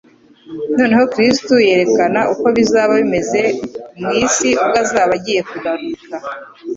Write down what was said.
Noneho Kristo yerekana uko bizaba bimeze mu isi ubwo azaba agiye kuganika,